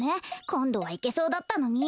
こんどはいけそうだったのに。